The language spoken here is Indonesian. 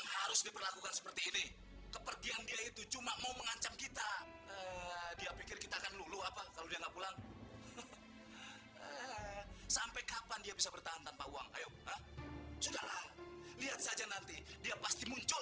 harus diperlakukan seperti ini kepergian dia itu cuma mau mengancam kita dia pikir kita akan lulu apa kalau dia enggak pulang sampai kapan dia bisa bertahan tanpa uang ayo sudahlah lihat saja nanti dia pasti muncul